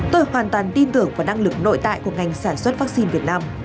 tôi hoàn toàn tin tưởng vào năng lực nội tại của ngành sản xuất vaccine việt nam